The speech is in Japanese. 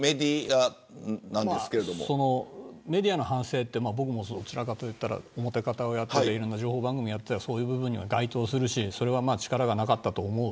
メディアの反省って僕もどちらかといったら表方をやっていて情報番組をやっていたりしてそれに該当するし力がなかったと思う。